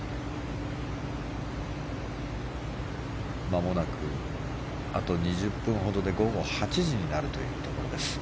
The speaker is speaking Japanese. まもなく、あと２０分ほどで午後８時になるところです。